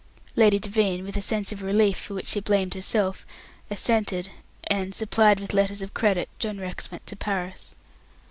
Lady Devine with a sense of relief for which she blamed herself assented, and supplied with letters of credit, John Rex went to Paris.